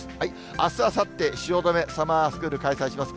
あす、あさって、汐留サマースクール開催します。